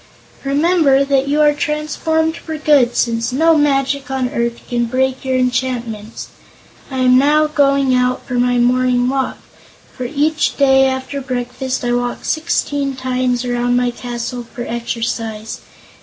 Remember that you are transformed for good, since no magic on earth can break your enchantments. I am now going out for my morning walk, for each day after breakfast I walk sixteen times around my castle for exercise.